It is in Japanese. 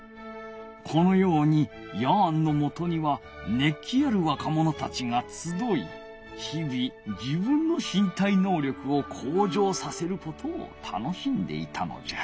このようにヤーンのもとにはねっ気あるわかものたちがつどいひび自分のしん体のう力をこう上させることを楽しんでいたのじゃ。